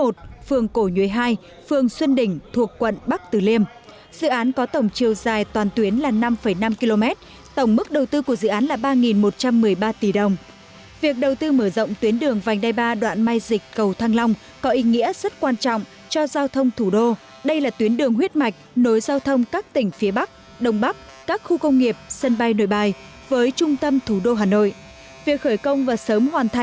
tại phường xuân đỉnh quận bắc từ liêm tp hà nội phó thủ tướng trịnh đình dũng đã tới dự buổi lễ